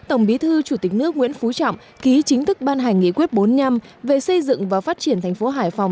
tổng bí thư chủ tịch nước nguyễn phú trọng ký chính thức ban hành nghị quyết bốn mươi năm về xây dựng và phát triển thành phố hải phòng